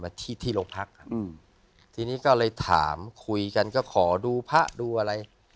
ที่ที่โรงพักครับทีนี้ก็เลยถามคุยกันก็ขอดูพระดูอะไร